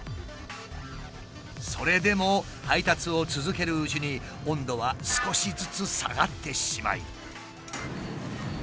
それでも配達を続けるうちに温度は少しずつ下がってしまい。